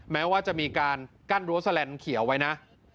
แม้ว่าจะมีการกั้นรั้วแลนดเขียวไว้นะ